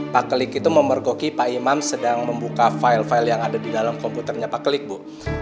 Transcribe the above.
pak klik itu memergoki pak imam sedang membuka file file yang ada di dalam komputernya pak klik bu